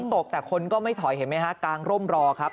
ตกแต่คนก็ไม่ถอยเห็นไหมฮะกางร่มรอครับ